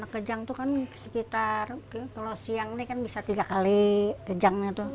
kejang itu kan sekitar kalau siang ini kan bisa tiga kali kejangnya tuh